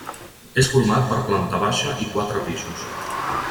És format per planta baixa i quatre pisos.